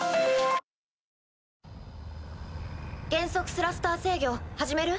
スラスター制御始める？